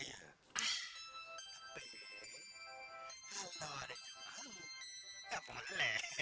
tapi kalau ada yang mau ya boleh